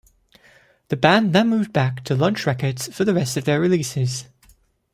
The band then moved back to Lunch Records for the rest of their releases.